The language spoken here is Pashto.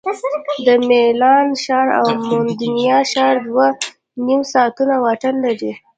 د میلان ښار او مودینا ښار دوه نیم ساعتونه واټن لري